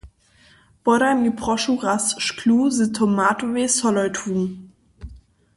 Podaj mi prošu raz šklu z tomatowej solotwju.